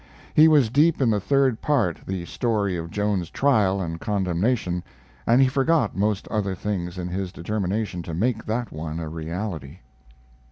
He was deep in the third part the story of Joan's trial and condemnation, and he forgot most other things in his determination to make that one a reality.